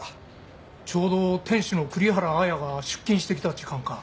ちょうど店主の栗原綾が出勤してきた時間か。